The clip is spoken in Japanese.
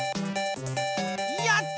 やった！